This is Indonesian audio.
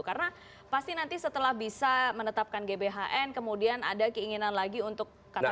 karena pasti nanti setelah bisa menetapkan gbhn kemudian ada keinginan lagi untuk menambahkan pasal pasal